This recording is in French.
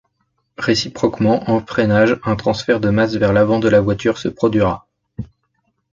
Réciproquement, en freinage, un transfert de masse vers l'avant de la voiture se produira.